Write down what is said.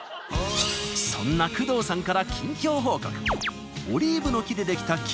そんな工藤さんから近況報告。